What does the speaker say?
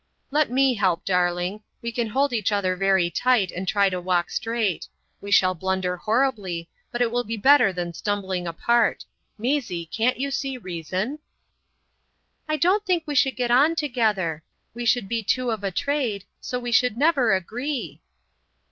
"Let me help, darling. We can hold each other very tight and try to walk straight. We shall blunder horribly, but it will be better than stumbling apart. Maisie, can't you see reason?" "I don't think we should get on together. We should be two of a trade, so we should never agree."